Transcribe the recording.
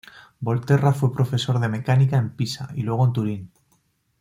Volterra fue profesor de mecánica en Pisa y luego en Turín.